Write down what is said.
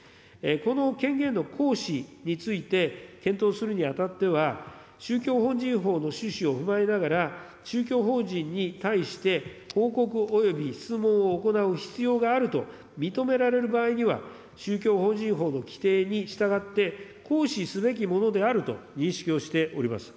この権限の行使について、検討するにあたっては、宗教法人法の趣旨を踏まえながら、宗教法人に対して報告および質問を行う必要があると認められる場合には、宗教法人法の規定に従って、行使すべきものであると認識をしております。